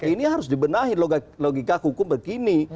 ini harus dibenahi logika hukum begini